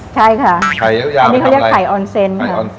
ใช่ค่ะอันนี้เขาเรียกไข่ออนเซน